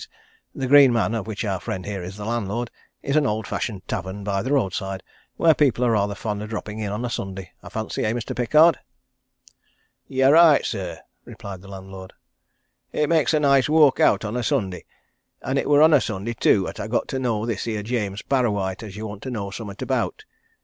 The Green Man, of which our friend here is the landlord, is an old fashioned tavern by the roadside where people are rather fond of dropping in on a Sunday, I fancy, eh, Mr. Pickard?" "You're right, sir," replied the landlord. "It makes a nice walk out on a Sunday. And it were on a Sunday, too, 'at I got to know this here James Parrawhite as you want to know summat about.